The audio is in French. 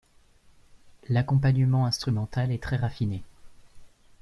L'accompagnement instrumental est très raffiné.